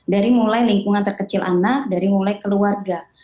dari mulai lingkungan terkecil anak dari mulai keluarga